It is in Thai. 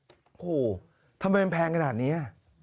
โอ้โหทำไมมันแพงขนาดนี้